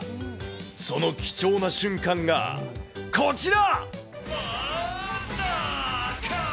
その貴重な瞬間がこちら。